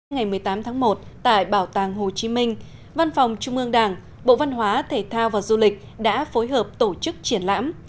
ngày một mươi tám tháng một tại bảo tàng hồ chí minh văn phòng trung ương đảng bộ văn hóa thể thao và du lịch đã phối hợp tổ chức triển lãm